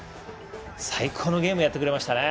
最高のゲームをやってくれました。